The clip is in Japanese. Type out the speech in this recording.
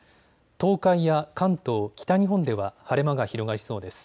東海や関東、北日本では晴れ間が広がりそうです。